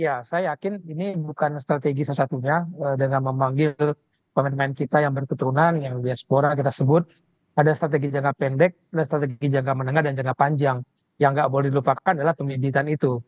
ya saya yakin ini bukan strategi salah satunya dengan memanggil pemain pemain kita yang berketurunan yang diaspora kita sebut ada strategi jangka pendek ada strategi jangka menengah dan jangka panjang yang nggak boleh dilupakan adalah pemimpinan itu